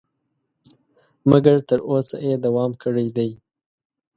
مګر تر اوسه یې دوام کړی دی.